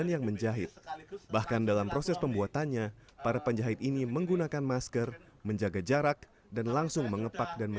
saat malam dokter bisa mendengar suara saya